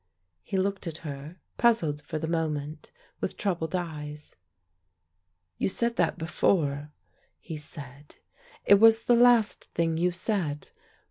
He looked at her, puzzled for the moment, with troubled eyes. "You said that before," he said. "It was the last thing you said.